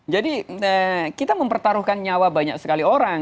jadi kita mempertaruhkan nyawa banyak sekali orang